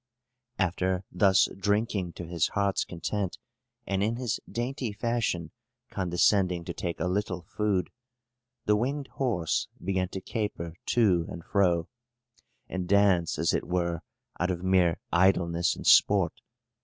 After thus drinking to his heart's content, and in his dainty fashion condescending to take a little food, the winged horse began to caper to and fro, and dance as it were, out of mere idleness and sport.